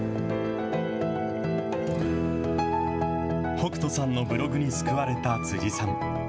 北斗さんのブログに救われた辻さん。